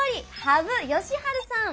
羽生善治さん。